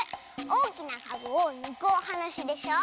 おおきなかぶをぬくおはなしでしょ？